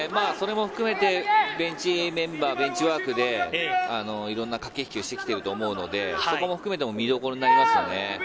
それも含めてベンチワークで、いろんな駆け引きをしてきてると思うので、それも含めて見どころになりますよね。